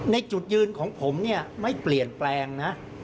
ในจุดยืนของผมเนี่ยไม่เปลี่ยนแปลงนะ